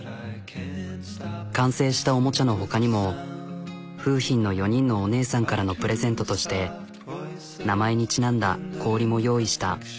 完成したおもちゃのほかにも楓浜の４人のお姉さんからのプレゼントとして名前にちなんだ氷も用意した。